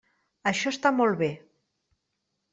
Això està molt bé.